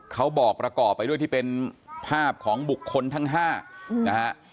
เขาบอกประกอบไปด้วยที่เป็นภาพของบุคคลทั้ง๕นะฮะ